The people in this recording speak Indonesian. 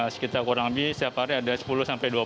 sekitar kurang lebih setiap hari ada sepuluh sampai dua puluh